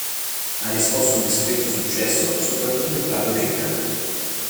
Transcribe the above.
Ha riscosso un discreto successo, soprattutto nei club americani.